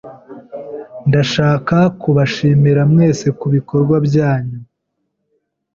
Ndashaka kubashimira mwese kubikorwa byanyu.